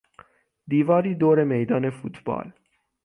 دیواری دور میدان فوتبال